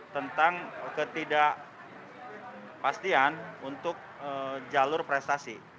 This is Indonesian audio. tentang ketidakpastian untuk jalur prestasi